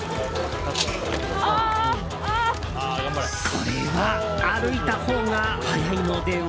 これは歩いたほうが早いのでは？